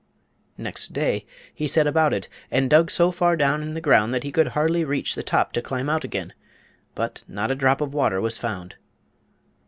Next day he set about it, and dug so far down in the ground that he could hardly reach the top to climb out again; but not a drop of water was found.